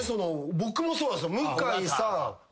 僕もそうなんす。